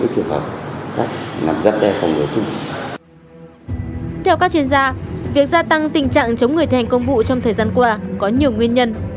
theo các chuyên gia việc gia tăng tình trạng chống người thi hành công vụ trong thời gian qua có nhiều nguyên nhân